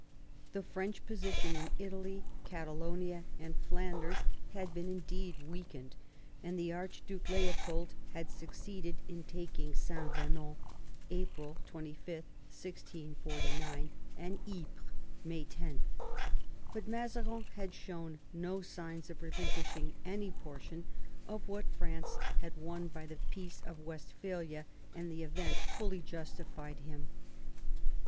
The French position in Italy, Catalonia, and Flanders had been indeed weakened, and the Archduke Leopold had suc ceeded in taking Saint Venant (April 25, 1649) and Ypres (May 10) ; but Mazarin had shown no signs of re linquishing any portion of what France had won by the Peace of Westphalia, and the event fully justified him.